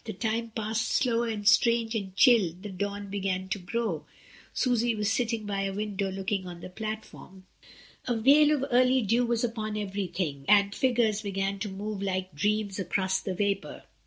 The time passed slow and strange and chill, the dawn began to grow, Susy was sitting by a window look ing on the platform. A veil of early dew was upon everything, and figures began to move like dreams across the vapour.